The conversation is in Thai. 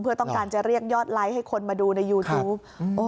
เพื่อต้องการจะเรียกยอดไลค์ให้คนมาดูในยูทูป